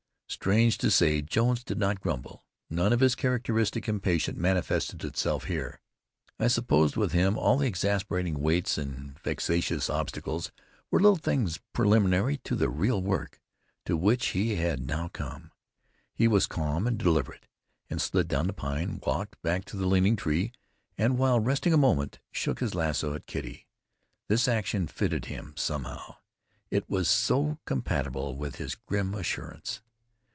Strange to say Jones did not grumble; none of his characteristic impatience manifested itself. I supposed with him all the exasperating waits, vexatious obstacles, were little things preliminary to the real work, to which he had now come. He was calm and deliberate, and slid down the pine, walked back to the leaning tree, and while resting a moment, shook his lasso at Kitty. This action fitted him, somehow; it was so compatible with his grim assurance.